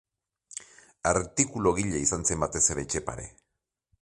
Artikulugile izan zen batez ere Etxepare.